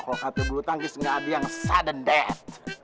kalo kata bluetangkis gak ada yang sudden death